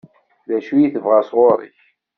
D acu i tebɣa sɣur-k?